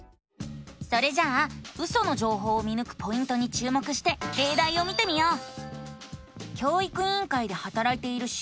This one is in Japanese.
それじゃあウソの情報を見ぬくポイントに注目してれいだいを見てみよう！